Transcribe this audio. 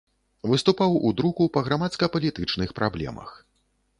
Выступаў у друку па грамадска-палітычных праблемах.